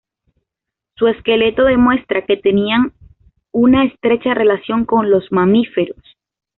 Su esqueleto demuestra que tenían una estrecha relación con los mamíferos.